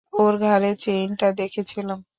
ওর ঘাড়ে চেইনটা দেখেছিলাম।